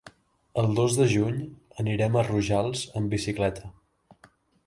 El dos de juny anirem a Rojals amb bicicleta.